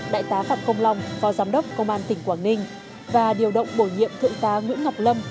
đại tá phạm công long phó giám đốc công an tỉnh quảng ninh và điều động bổ nhiệm thượng tá nguyễn ngọc lâm